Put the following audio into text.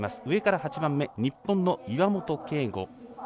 上から８番目、日本の岩本啓吾。